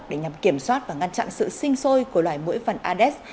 để nhằm kiểm soát và ngăn chặn sự sinh sôi của loài mũi phần ades